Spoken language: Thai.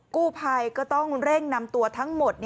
กู้ภัยก็ต้องเร่งนำตัวทั้งหมด